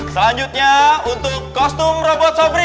selanjutnya untuk kostum robot sabri